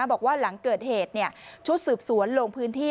บอกว่าหลังเกิดเหตุชุดสืบสวนลงพื้นที่